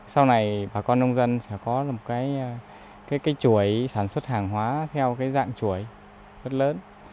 sau này bà con nông dân sẽ có một chuỗi sản xuất hàng hóa theo dạng chuỗi rất lớn